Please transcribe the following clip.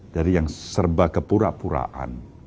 dari yang serba kepura puraan